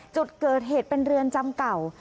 จุดเกิดเหตุเป็นเรือนจำเก่า